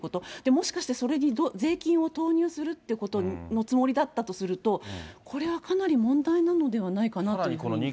もしかして、それに税金を投入するっていうことのつもりだったとすると、これはかなり問題なのではないかなというふうに。